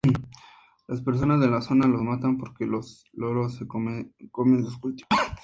Las personas de la zona los matan porque los loros se comen sus cultivos.